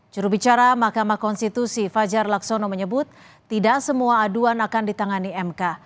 jurubicara mahkamah konstitusi fajar laksono menyebut tidak semua aduan akan ditangani mk